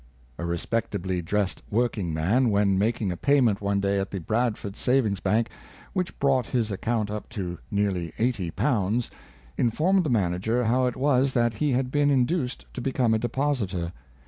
A respectably dressed workingman, when making a payment one day at the Bradford Savings bank, which brought his account up to nearly eighty pounds, in formed the manager how it was that he had been in duced to become a depositor.